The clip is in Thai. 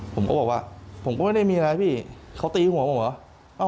ผมก็บอกว่าผมก็ไม่ได้มีอะไรพี่เขาตีหัวผมเหรอ